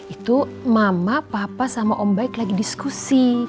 itu mama papa sama om baik lagi diskusi